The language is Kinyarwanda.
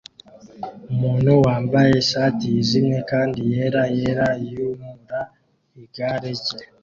Umuntu wambaye ishati yijimye kandi yera yera yimura igare rye